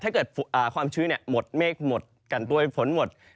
ถ้าเกิดความชื้นหมดเมฆหมดกันด้วยฝนหมด